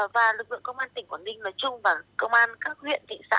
và lực lượng công an tỉnh quảng ninh nói chung và công an các huyện thị xã